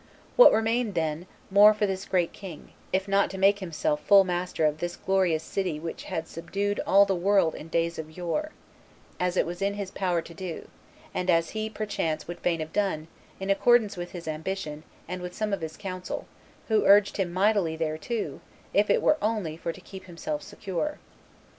What remained, then, more for this great king, if not to make himself full master of this glorious city which had subdued all the world in days of yore, as it was in his power to do, and as he, perchance, would fain have done, in accordance with his ambition and with some of his council, who urged him mightily thereto, if it were only for to keep himself secure.